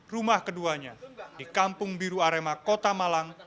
rumah keduanya di kampung biru arema kota malang